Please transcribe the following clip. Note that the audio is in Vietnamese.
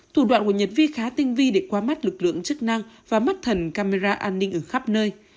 thủ đoạn của nhật vi khá tinh vi để qua mắt lực lượng chức năng và mắt thần camera an ninh ở khắp nơi